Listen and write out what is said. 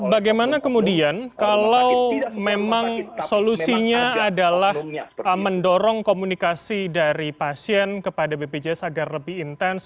bagaimana kemudian kalau memang solusinya adalah mendorong komunikasi dari pasien kepada bpjs agar lebih intens